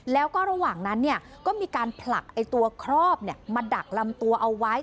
แล้วก็ระหว่างนั้นก็มีการผลักตัวครอบมาดักลำตัวเอาไว้